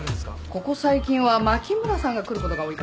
ここ最近は牧村さんが来ることが多いかな。